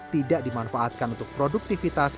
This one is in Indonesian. tidak dimanfaatkan untuk produktivitas